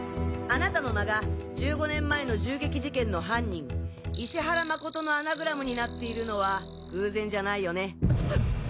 あなたの名が１５年前の銃撃事件の犯人石原誠のアナグラムになっているのは偶然じゃないよね？